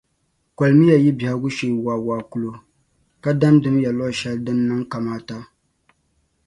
Kolimiya yi bɛhigu shee waawaa kulo, ka damdimiya luɣushɛli din niŋ kamaata.